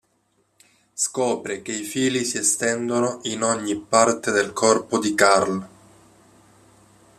Scopre che i fili si estendono in ogni parte del corpo di Carl.